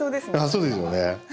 そうですよね。